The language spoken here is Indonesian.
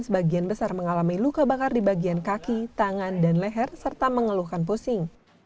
sebagian besar mengalami luka bakar di bagian kaki tangan dan leher serta mengeluhkan pusing